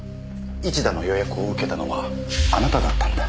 市田の予約を受けたのはあなただったんだ？